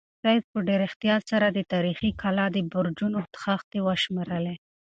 سعید په ډېر احتیاط د تاریخي کلا د برجونو خښتې وشمېرلې.